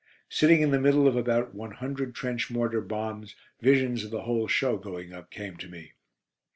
Sitting in the middle of about one hundred trench mortar bombs, visions of the whole show going up came to me.